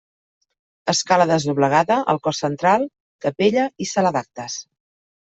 Escala desdoblegada al cos central, capella i sala d'actes.